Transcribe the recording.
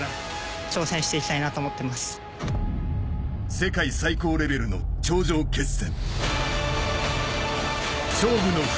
世界最高レベルの頂上決戦。